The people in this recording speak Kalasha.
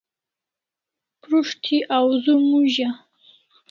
Prus't thi awzu muza